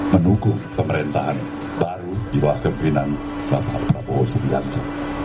menukung pemerintahan baru di luar kemimpinan prabowo sulianji